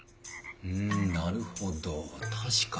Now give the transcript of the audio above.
んなるほど確かに。